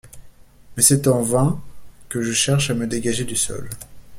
Mais c’est en vain que je cherche à me dégager du sol...